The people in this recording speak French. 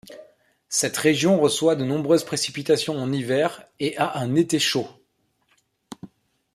Cette région reçoit de nombreuses précipitations en hiver et a un été chaud.